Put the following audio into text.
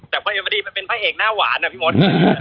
แต่พี่ม้อนเป็นพระเอกหน้าหวาน